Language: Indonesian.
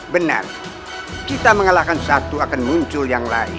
benar kita mengalahkan satu akan muncul yang lain